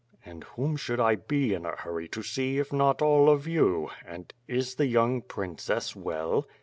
"And whom should I be in a hurry to see if not all of you? And is the young princess well?"